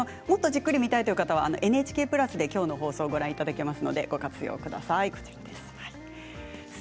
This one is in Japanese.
もっとじっくり見たい方はＮＨＫプラスで、きょうの放送をご覧いただけますのでご活用ください。